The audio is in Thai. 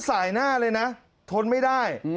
สายหน้าเลยนะทนไม่ได้